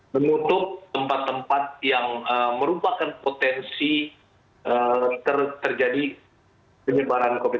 menutup tempat tempat yang merupakan potensi terjadi penyebaran covid sembilan belas